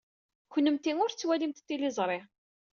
Kennemti ur tettwalimt tiliẓri.